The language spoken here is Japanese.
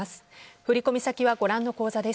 振り込み先はご覧の口座です。